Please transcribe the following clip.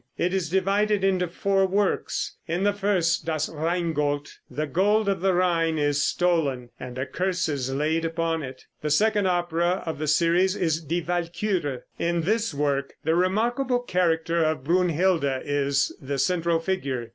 It is divided into four works. In the first, "Das Rheingold," the gold of the Rhine, is stolen, and a curse is laid upon it. The second opera of the series is "Die Walküre." In this work the remarkable character of Brunhilde is the central figure.